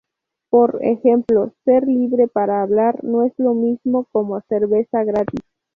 Por ejemplo, "ser libre para hablar" no es lo mismo como "cerveza gratis".